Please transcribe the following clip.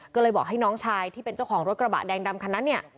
ก็เลยบอกให้น้องชายที่เป็นเจ้าของรถกระบะแดงดำคันนั้นเนี่ย